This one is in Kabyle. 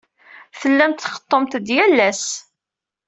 Tellamt tqeḍḍumt-d yal ass.